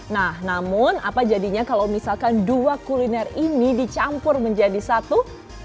nah namun apa jadinya kalau misalkan dua kuliner ini dicampur menjadi satu